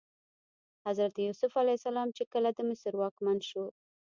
حضرت یوسف علیه السلام چې کله د مصر واکمن شو.